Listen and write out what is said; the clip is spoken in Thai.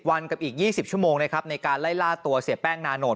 วันกับอีก๒๐ชั่วโมงนะครับในการไล่ล่าตัวเสียแป้งนาโนต